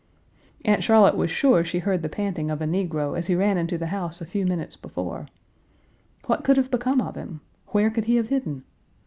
Aunt Charlotte was sure she heard the panting of a negro as he ran into the house a few minutes before. What could have become of him? Where could he have hidden?